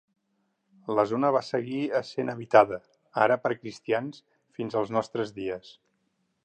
La zona va seguir essent habitada, ara per cristians, fins als nostres dies.